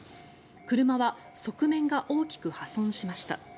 車は側面が大きく破損しました。